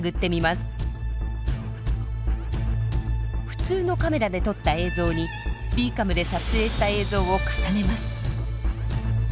普通のカメラで撮った映像にビーカムで撮影した映像を重ねます。